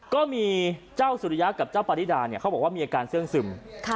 ก็มีเจ้าสุริยะกับเจ้าปาริดาเนี่ยเขาบอกว่ามีอาการเสื้องซึม